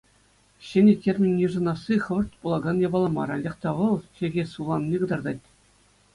Ҫӗнӗ термин йышӑнасси хӑвӑрт пулакан япала мар, анчах та вӑл чӗлхе сывланине кӑтартать.